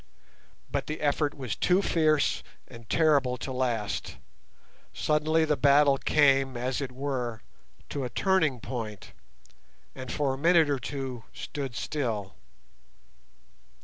But the effort was too fierce and terrible to last. Suddenly the battle came, as it were, to a turning point, and for a minute or two stood still.